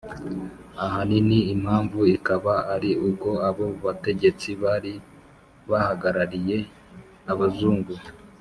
ahanini impamvu ikaba ari uko abo bategetsi bari bahagarariye Abazungu,